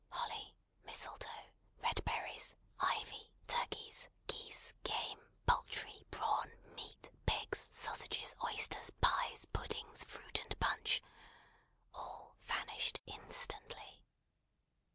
Holly, mistletoe, red berries, ivy, turkeys, geese, game, poultry, brawn, meat, pigs, sausages, oysters, pies, puddings, fruit, and punch, all vanished instantly.